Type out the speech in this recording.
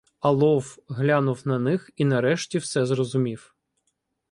Алов глянув на них і нарешті все зрозумів.